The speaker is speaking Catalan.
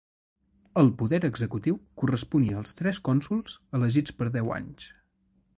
El poder executiu corresponia als tres cònsols elegits per deu anys.